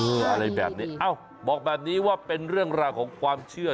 อะไรแบบนี้เอ้าบอกแบบนี้ว่าเป็นเรื่องราวของความเชื่อ